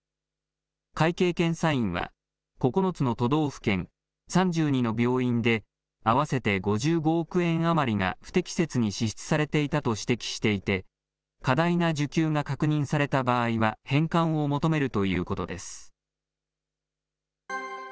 会計検査院は、９つの都道府県、３２の病院で、合わせて５５億円余りが不適切に支出されていたと指摘していて、過大な受給が確認された場合は、返還を求めるということです。